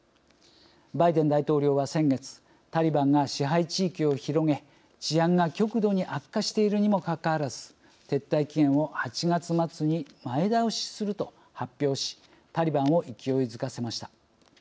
バイデン大統領は先月タリバンが支配地域を広げ治安が極度に悪化しているにもかかわらず撤退期限を８月末に前倒しすると発表しタリバンを勢いづかせました。